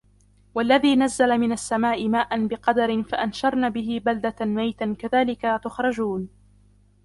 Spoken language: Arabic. وَالَّذِي نَزَّلَ مِنَ السَّمَاءِ مَاءً بِقَدَرٍ فَأَنْشَرْنَا بِهِ بَلْدَةً مَيْتًا كَذَلِكَ تُخْرَجُونَ